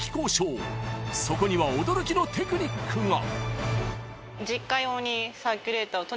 ［そこには驚きのテクニックが］